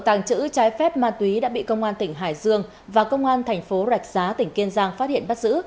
tàng trữ trái phép ma túy đã bị công an tỉnh hải dương và công an thành phố rạch giá tỉnh kiên giang phát hiện bắt giữ